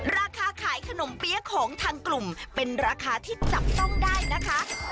ราคาขายขนมเปี๊ยะของทางกลุ่มเป็นราคาที่จับต้องได้นะคะ